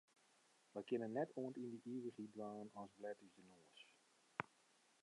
Wy kinne net oant yn de ivichheid dwaan as blet ús de noas.